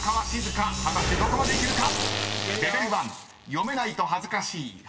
［果たしてどこまでいけるか⁉］